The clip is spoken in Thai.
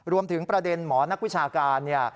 รวมถึงประเด็นหมอนักวิชาการ